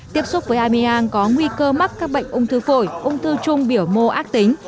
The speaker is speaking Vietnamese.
tiếp xúc với amiang có nguy cơ mắc các bệnh ung thư phổi ung thư trung biểu mô ác tính